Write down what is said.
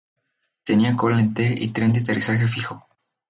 Tenía cola en T y tren de aterrizaje fijo.